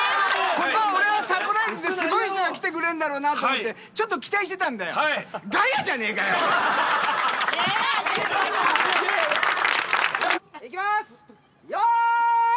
ここ、サプライズですごい人が来てくれるんだろうなと思って、ちょっと期待してたんだよ。いきます。